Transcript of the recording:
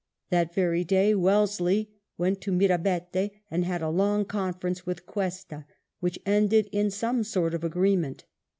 That very day Wellesley went to Mirabete and had a long conference with Cuesta, which ended in some sort of agreement.